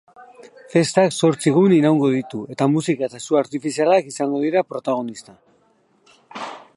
Festak zortzi egun iraungo ditu eta musika eta su artifizialak izango dira protagonista.